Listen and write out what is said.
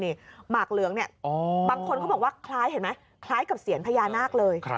หมากเหลืองเนี่ยบางคนเขาบอกว่าคล้ายเห็นไหมคล้ายกับเสียญพญานาคเลย